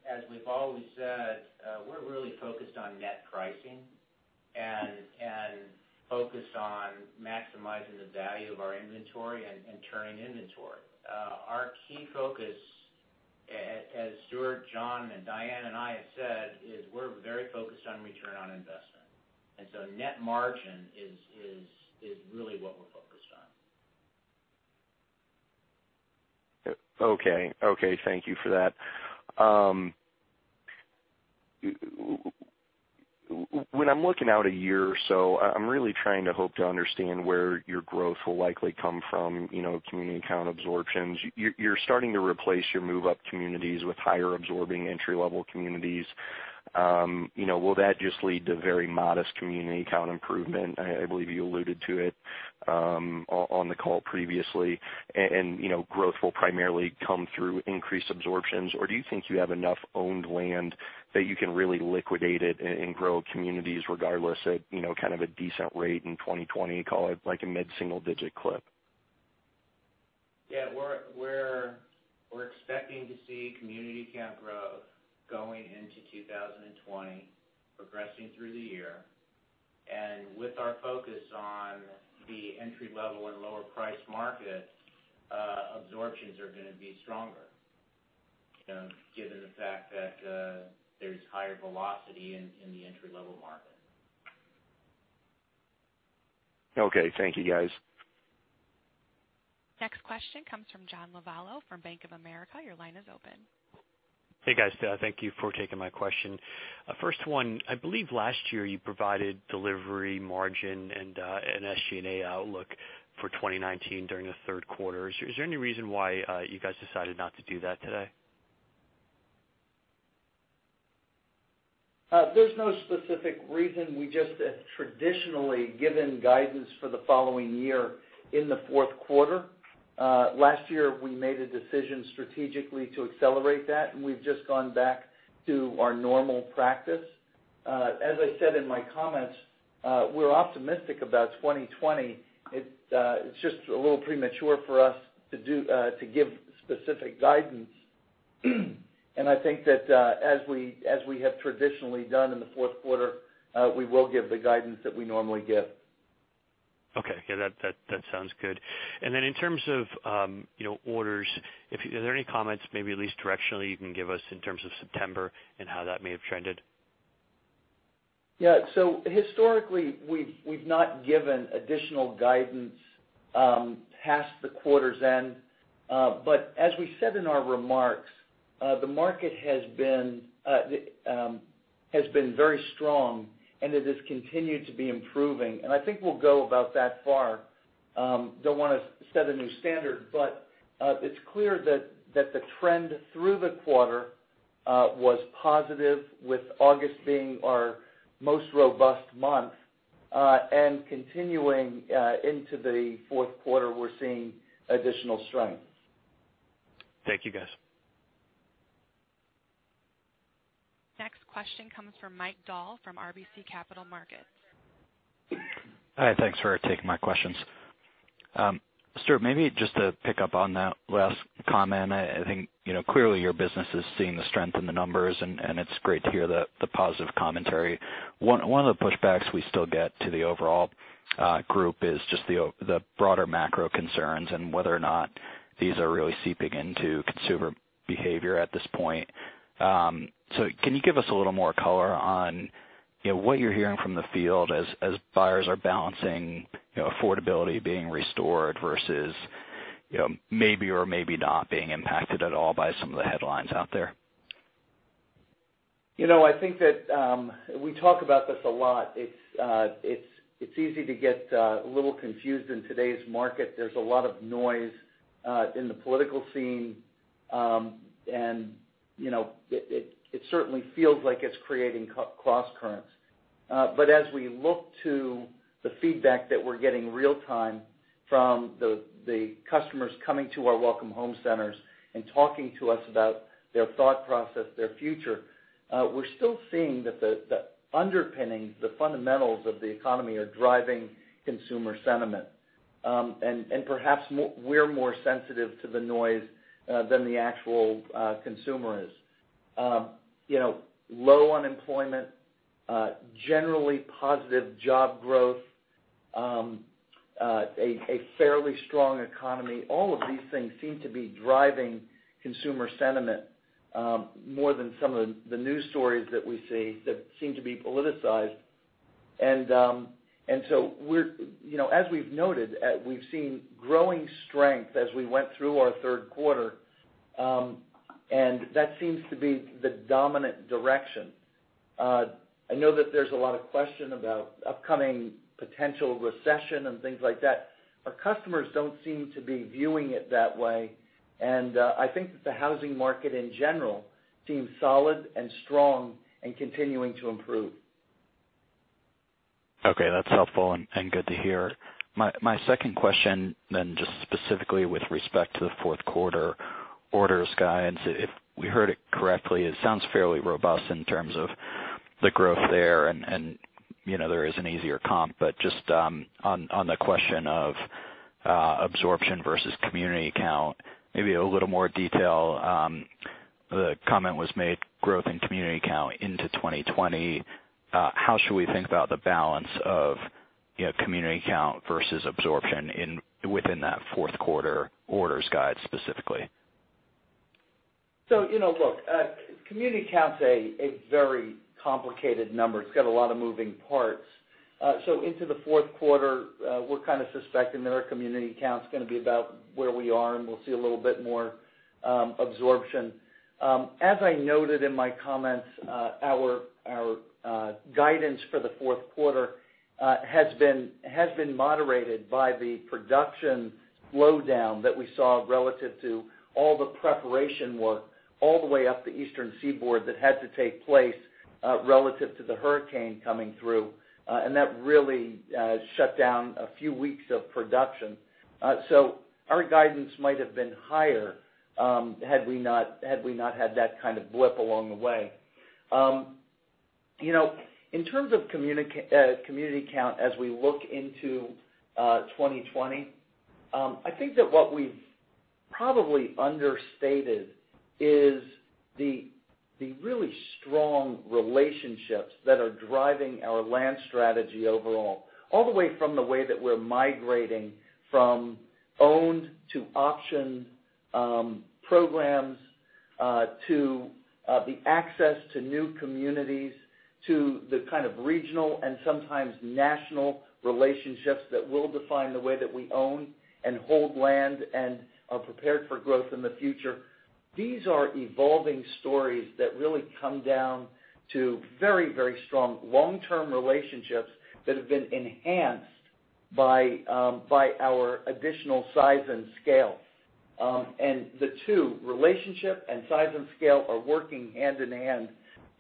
As we've always said, we're really focused on net pricing and focused on maximizing the value of our inventory and turning inventory. Our key focus, as Stuart, Jon, and Diane and I have said, is we're very focused on return on investment, and so net margin is really what we're focused on. Okay. Thank you for that. When I'm looking out a year or so, I'm really trying to hope to understand where your growth will likely come from, community count absorptions. You're starting to replace your move-up communities with higher-absorbing entry-level communities. Will that just lead to very modest community count improvement? I believe you alluded to it on the call previously, growth will primarily come through increased absorptions. Do you think you have enough owned land that you can really liquidate it and grow communities regardless at kind of a decent rate in 2020, call it like a mid-single-digit clip? Yeah, we're expecting to see community count growth going into 2020, progressing through the year. With our focus on the entry-level and lower-priced market, absorptions are going to be stronger, given the fact that there's higher velocity in the entry-level market. Okay, thank you, guys. Next question comes from John Lovallo from Bank of America. Your line is open. Hey, guys. Thank you for taking my question. First one, I believe last year you provided delivery margin and an SG&A outlook for 2019 during the third quarter. Is there any reason why you guys decided not to do that today? There's no specific reason. We just have traditionally given guidance for the following year in the fourth quarter. Last year, we made a decision strategically to accelerate that, and we've just gone back to our normal practice. As I said in my comments, we're optimistic about 2020. It's just a little premature for us to give specific guidance. I think that as we have traditionally done in the fourth quarter, we will give the guidance that we normally give. Okay. Yeah, that sounds good. In terms of orders, are there any comments, maybe at least directionally you can give us in terms of September and how that may have trended? Yeah. Historically, we've not given additional guidance past the quarter's end. As we said in our remarks, the market has been very strong, and it has continued to be improving. I think we'll go about that far. Don't want to set a new standard, but it's clear that the trend through the quarter was positive with August being our most robust month. Continuing into the fourth quarter, we're seeing additional strength. Thank you, guys. Next question comes from Mike Dahl from RBC Capital Markets. Hi. Thanks for taking my questions. Stuart, maybe just to pick up on that last comment, I think clearly your business is seeing the strength in the numbers, and it's great to hear the positive commentary. One of the pushbacks we still get to the overall group is just the broader macro concerns and whether or not these are really seeping into consumer behavior at this point. Can you give us a little more color on what you're hearing from the field as buyers are balancing affordability being restored versus maybe or maybe not being impacted at all by some of the headlines out there? I think that we talk about this a lot. It's easy to get a little confused in today's market. There's a lot of noise in the political scene, and it certainly feels like it's creating cross-currents. As we look to the feedback that we're getting real time from the customers coming to our Welcome Home Centers and talking to us about their thought process, their future, we're still seeing that the underpinning, the fundamentals of the economy are driving consumer sentiment. Perhaps we're more sensitive to the noise than the actual consumer is. Low unemployment, generally positive job growth, a fairly strong economy, all of these things seem to be driving consumer sentiment more than some of the news stories that we see that seem to be politicized. As we've noted, we've seen growing strength as we went through our third quarter, and that seems to be the dominant direction. I know that there's a lot of question about upcoming potential recession and things like that. Our customers don't seem to be viewing it that way, and I think that the housing market in general seems solid and strong and continuing to improve. Okay, that's helpful and good to hear. My second question, just specifically with respect to the fourth quarter orders guidance, if we heard it correctly, it sounds fairly robust in terms of the growth there, and there is an easier comp, but just on the question of absorption versus community count, maybe a little more detail. The comment was made, growth in community count into 2020. How should we think about the balance of community count versus absorption within that fourth quarter orders guide specifically? Look, community count's a very complicated number. It's got a lot of moving parts. Into the fourth quarter, we're kind of suspecting that our community count's going to be about where we are, and we'll see a little bit more absorption. As I noted in my comments, our guidance for the fourth quarter has been moderated by the production slowdown that we saw relative to all the preparation work all the way up the Eastern Seaboard that had to take place relative to the hurricane coming through. That really shut down a few weeks of production. Our guidance might have been higher had we not had that kind of blip along the way. In terms of community count as we look into 2020, I think that what we've probably understated is The really strong relationships that are driving our land strategy overall, all the way from the way that we're migrating from owned to option programs, to the access to new communities, to the kind of regional and sometimes national relationships that will define the way that we own and hold land and are prepared for growth in the future. These are evolving stories that really come down to very strong long-term relationships that have been enhanced by our additional size and scale. The two, relationship and size and scale, are working hand in hand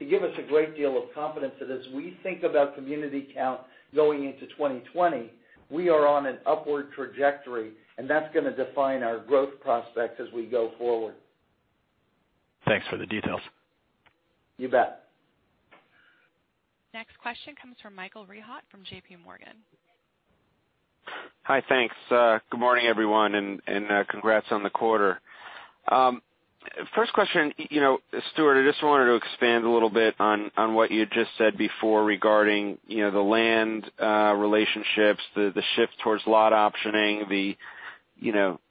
to give us a great deal of confidence that as we think about community count going into 2020, we are on an upward trajectory, and that's going to define our growth prospects as we go forward. Thanks for the details. You bet. Next question comes from Michael Rehaut from JPMorgan. Hi, thanks. Good morning, everyone, and congrats on the quarter. First question. Stuart, I just wanted to expand a little bit on what you just said before regarding the land relationships, the shift towards lot optioning, the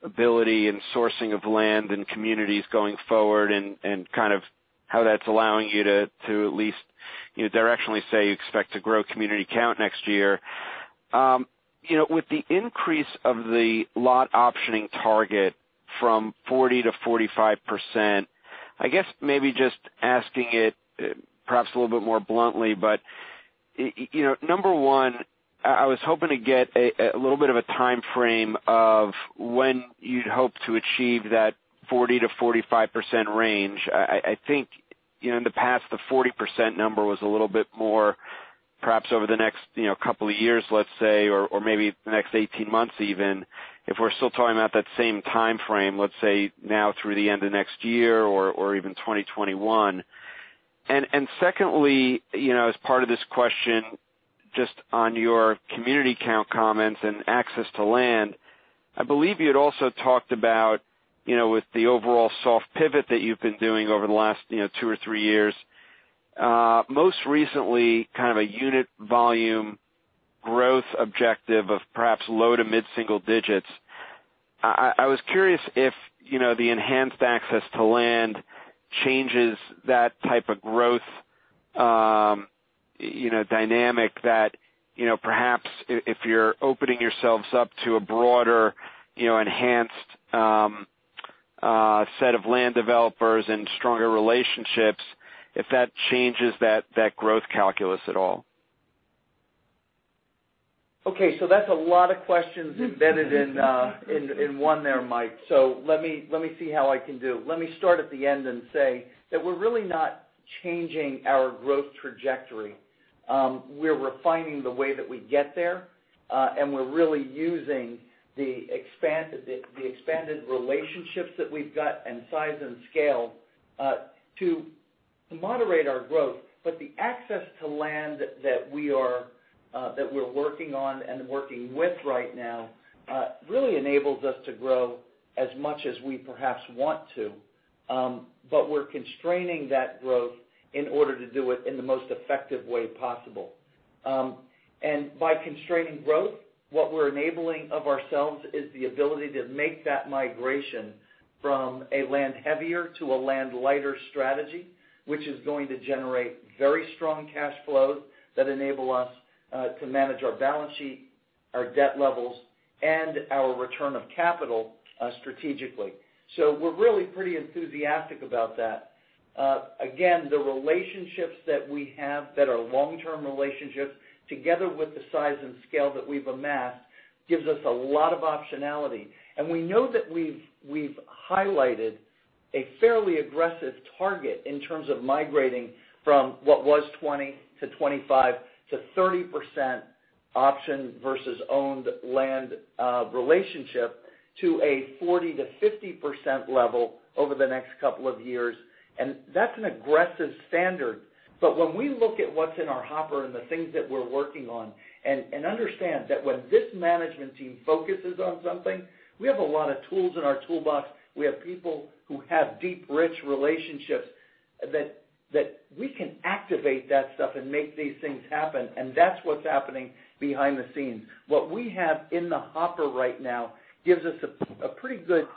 ability and sourcing of land and communities going forward and kind of how that's allowing you to at least directionally say you expect to grow community count next year. With the increase of the lot optioning target from 40%-45%, I guess maybe just asking it perhaps a little bit more bluntly, number one, I was hoping to get a little bit of a timeframe of when you'd hope to achieve that 40%-45% range. I think, in the past, the 40% number was a little bit more, perhaps over the next couple of years, let's say, or maybe the next 18 months even, if we're still talking about that same timeframe, let's say now through the end of next year or even 2021. Secondly, as part of this question, just on your community count comments and access to land, I believe you had also talked about, with the overall soft pivot that you've been doing over the last two or three years, most recently kind of a unit volume growth objective of perhaps low to mid-single digits. I was curious if the enhanced access to land changes that type of growth dynamic that perhaps if you're opening yourselves up to a broader, enhanced set of land developers and stronger relationships, if that changes that growth calculus at all. That's a lot of questions embedded in one there, Mike. Let me see how I can do. Let me start at the end and say that we're really not changing our growth trajectory. We're refining the way that we get there, and we're really using the expanded relationships that we've got and size and scale to moderate our growth. The access to land that we're working on and working with right now really enables us to grow as much as we perhaps want to. We're constraining that growth in order to do it in the most effective way possible. By constraining growth, what we're enabling of ourselves is the ability to make that migration from a land-heavier to a land-lighter strategy, which is going to generate very strong cash flows that enable us to manage our balance sheet, our debt levels, and our return of capital strategically. We're really pretty enthusiastic about that. Again, the relationships that we have that are long-term relationships, together with the size and scale that we've amassed, gives us a lot of optionality. We know that we've highlighted a fairly aggressive target in terms of migrating from what was 20%-25%-30% option versus owned land relationship to a 40%-50% level over the next couple of years. That's an aggressive standard. When we look at what's in our hopper and the things that we're working on, and understand that when this management team focuses on something, we have a lot of tools in our toolbox. We have people who have deep, rich relationships that we can activate that stuff and make these things happen, and that's what's happening behind the scenes. What we have in the hopper right now gives us a pretty good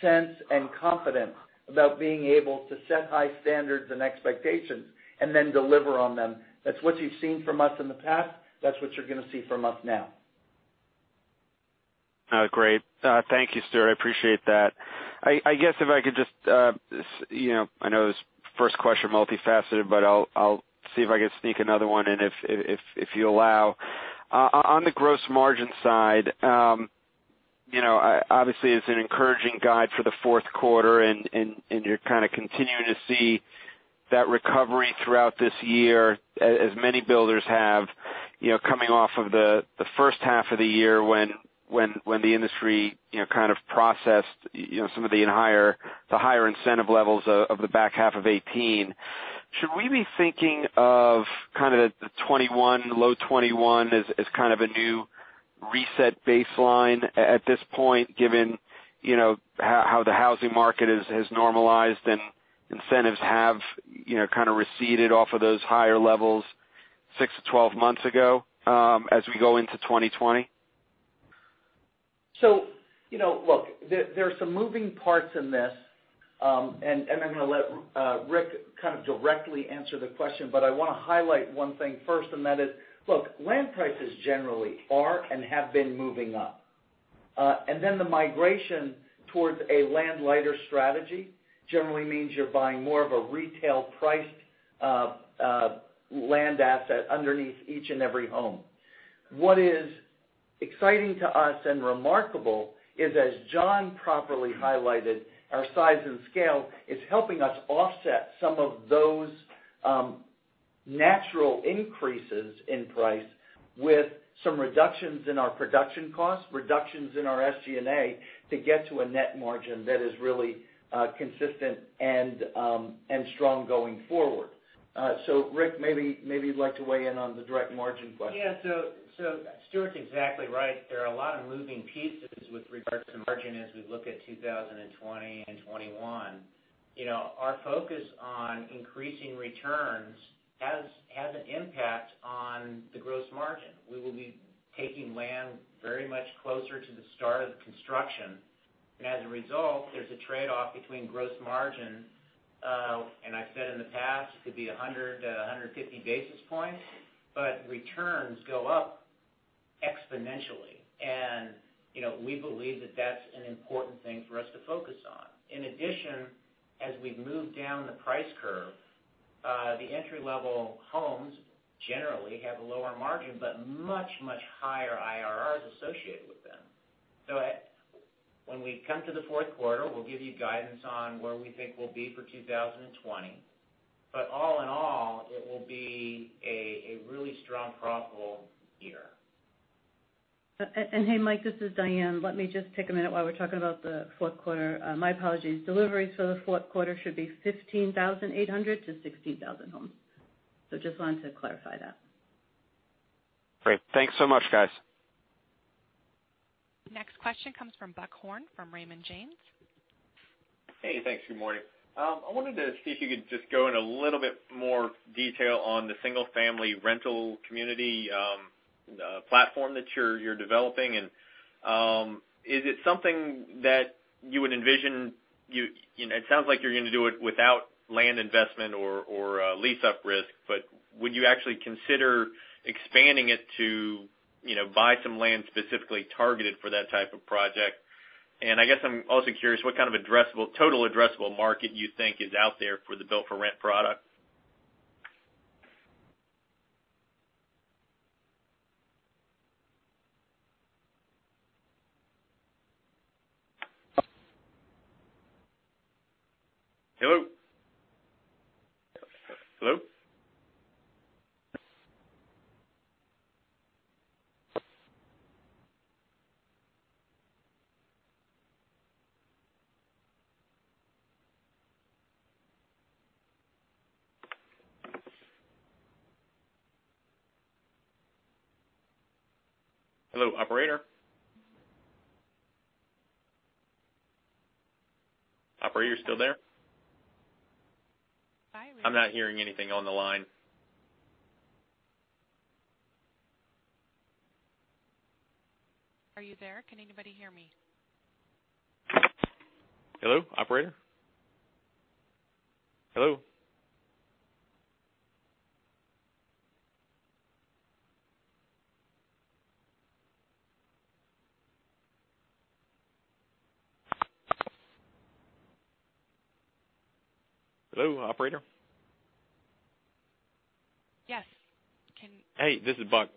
sense and confidence about being able to set high standards and expectations and then deliver on them. That's what you've seen from us in the past. That's what you're going to see from us now. Great. Thank you, Stuart. I appreciate that. I guess if I could just, I know this first question multifaceted, but I'll see if I can sneak another one in, if you allow. On the gross margin side, obviously, it's an encouraging guide for the fourth quarter, and you're kind of continuing to see that recovery throughout this year as many builders have, coming off of the first half of the year when the industry kind of processed some of the higher incentive levels of the back half of 2018. Should we be thinking of kind of the 21%, low 21% as kind of a new reset baseline at this point, given how the housing market has normalized and incentives have kind of receded off of those higher levels 6-12 months ago, as we go into 2020? Look, there's some moving parts in this. I'm going to let Rick kind of directly answer the question, but I want to highlight one thing first, and that is, look, land prices generally are and have been moving up. The migration towards a land light strategy generally means you're buying more of a retail priced land asset underneath each and every home. What is exciting to us and remarkable is, as John properly highlighted, our size and scale is helping us offset some of those natural increases in price with some reductions in our production costs, reductions in our SG&A, to get to a net margin that is really consistent and strong going forward. Rick, maybe you'd like to weigh in on the direct margin question. Stuart's exactly right. There are a lot of moving pieces with regards to margin as we look at 2020 and 2021. Our focus on increasing returns has an impact on the gross margin. We will be taking land very much closer to the start of the construction, and as a result, there's a trade-off between gross margin, and I've said in the past, it could be 100 to 150 basis points, but returns go up exponentially. We believe that that's an important thing for us to focus on. In addition, as we move down the price curve, the entry-level homes generally have a lower margin, but much higher IRRs associated with them. When we come to the fourth quarter, we'll give you guidance on where we think we'll be for 2020. All in all, it will be a really strong profitable year. Hey, Mike, this is Diane. Let me just take a minute while we're talking about the fourth quarter. My apologies. Deliveries for the fourth quarter should be 15,800 to 16,000 homes. Just wanted to clarify that. Great. Thanks so much, guys. Next question comes from Buck Horne from Raymond James. Hey, thanks. Good morning. I wanted to see if you could just go in a little bit more detail on the single-family rental community platform that you're developing. Is it something that you would envision It sounds like you're going to do it without land investment or lease-up risk, but would you actually consider expanding it to buy some land specifically targeted for that type of project? I guess I'm also curious what kind of total addressable market you think is out there for the built-for-rent product. Hello? Hello? Hello, operator. Operator, you still there? Hi, Rick. I'm not hearing anything on the line. Are you there? Can anybody hear me? Hello, operator? Hello? Hello, operator? Yes. Hey, this is Buck.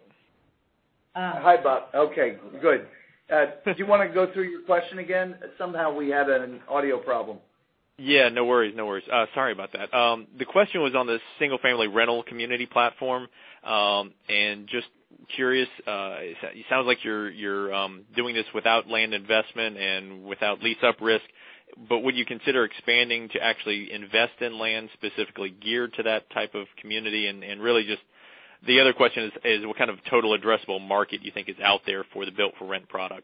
Hi, Buck. Okay, good. Do you want to go through your question again? Somehow we had an audio problem. Yeah, no worries. Sorry about that. The question was on the single-family rental community platform. Just curious, it sounds like you're doing this without land investment and without lease-up risk, but would you consider expanding to actually invest in land specifically geared to that type of community? Really just the other question is what kind of total addressable market you think is out there for the built-for-rent product.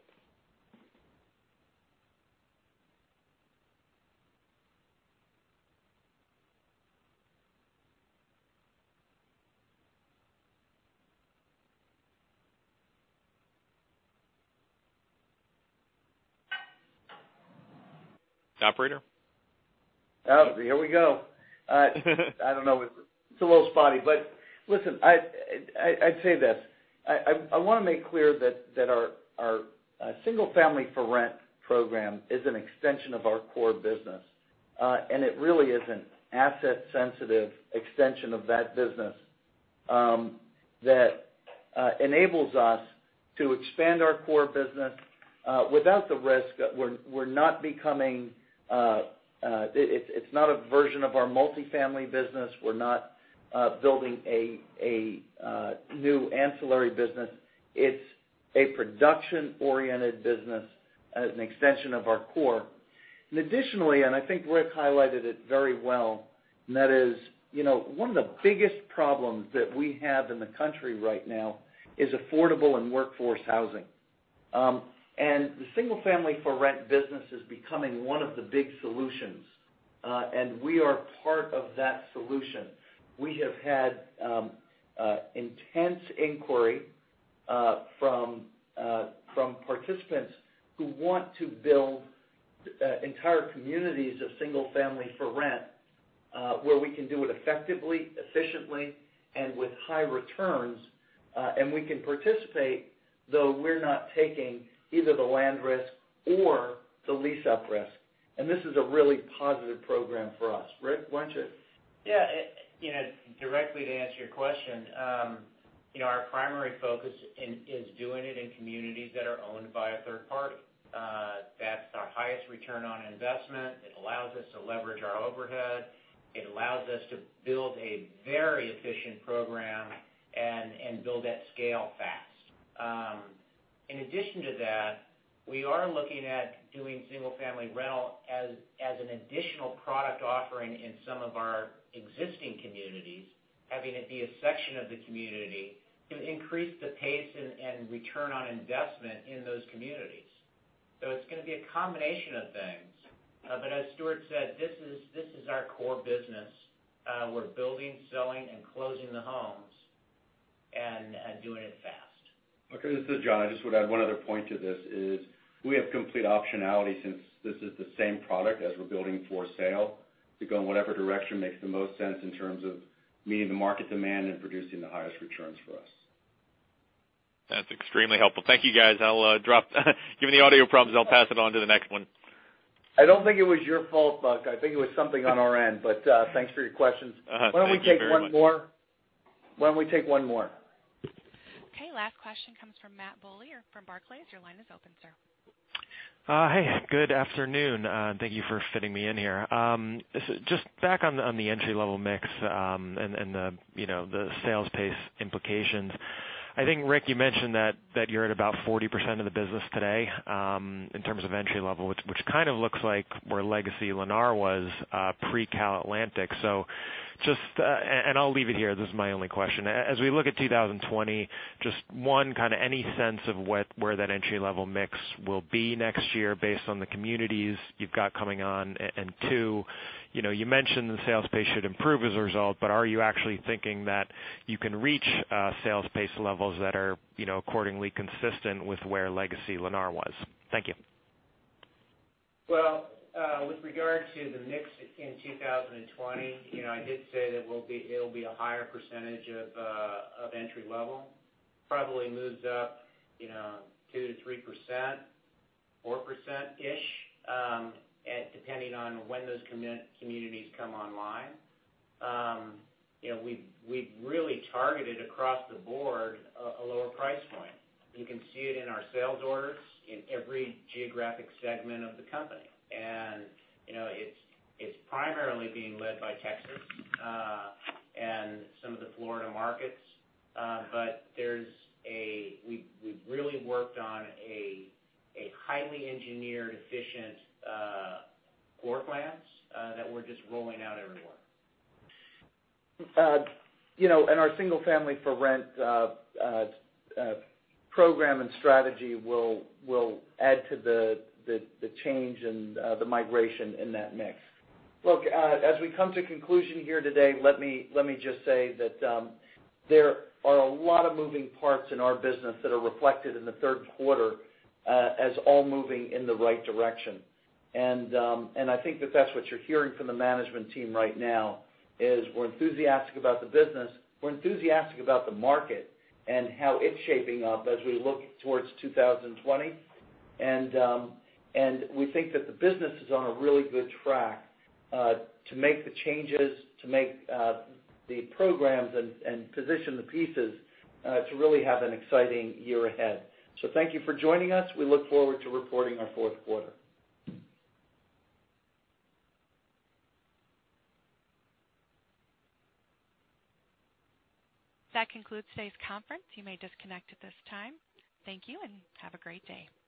Operator? Oh, here we go. I don't know. It's a little spotty, but listen, I'd say this. I want to make clear that our Single Family for Rent Program is an extension of our core business. It really is an asset-sensitive extension of that business that enables us to expand our core business without the risk. It's not a version of our multifamily business. We're not building a new ancillary business. It's a production-oriented business as an extension of our core. Additionally, I think Rick highlighted it very well, and that is, one of the biggest problems that we have in the country right now is affordable and workforce housing. The single-family for rent business is becoming one of the big solutions. We are part of that solution. We have had intense inquiry from participants who want to build entire communities of single-family rental, where we can do it effectively, efficiently, and with high returns. We can participate, though we're not taking either the land risk or the lease-up risk. This is a really positive program for us. Rick, why don't you? Yeah. Directly to answer your question, our primary focus is doing it in communities that are owned by a third party. That's our highest return on investment. It allows us to leverage our overhead. It allows us to build a very efficient program and build at scale fast. In addition to that, we are looking at doing single-family rental as an additional product offering in some of our existing communities, having it be a section of the community to increase the pace and return on investment in those communities. It's going to be a combination of things. As Stuart said, this is our core business. We're building, selling, and closing the homes and doing it fast. Okay, this is John. I just would add one other point to this is, we have complete optionality since this is the same product as we're building for sale to go in whatever direction makes the most sense in terms of meeting the market demand and producing the highest returns for us. That's extremely helpful. Thank you, guys. Given the audio problems, I'll pass it on to the next one. I don't think it was your fault, Buck. I think it was something on our end, but thanks for your questions. Thank you very much. Why don't we take one more? Okay. Last question comes from Matthew Bouley from Barclays. Your line is open, sir. Hey, good afternoon. Thank you for fitting me in here. Just back on the entry-level mix, and the sales pace implications. I think, Rick, you mentioned that you're at about 40% of the business today, in terms of entry-level, which kind of looks like where legacy Lennar was pre-CalAtlantic. I'll leave it here. This is my only question. As we look at 2020, just, 1, kind of any sense of where that entry-level mix will be next year based on the communities you've got coming on. 2, you mentioned the sales pace should improve as a result, but are you actually thinking that you can reach sales pace levels that are accordingly consistent with where legacy Lennar was? Thank you. Well, with regard to the mix in 2020, I did say that it'll be a higher percentage of entry level, probably moves up 2%-3%, 4%-ish, depending on when those communities come online. We've really targeted across the board a lower price point. You can see it in our sales orders in every geographic segment of the company. It's primarily being led by Texas, and some of the Florida markets. We've really worked on a highly engineered, efficient floor plans that we're just rolling out everywhere. Our single-family rental program and strategy will add to the change and the migration in that mix. Look, as we come to conclusion here today, let me just say that there are a lot of moving parts in our business that are reflected in the third quarter as all moving in the right direction. I think that that's what you're hearing from the management team right now is we're enthusiastic about the business, we're enthusiastic about the market and how it's shaping up as we look towards 2020. We think that the business is on a really good track to make the changes, to make the programs, and position the pieces to really have an exciting year ahead. Thank you for joining us. We look forward to reporting our fourth quarter. That concludes today's conference. You may disconnect at this time. Thank you and have a great day.